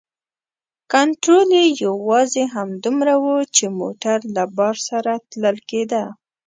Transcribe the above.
کنترول یې یوازې همدومره و چې موټر له بار سره تلل کیده.